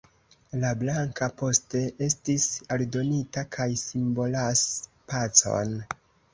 La blanka poste estis aldonita kaj simbolas pacon.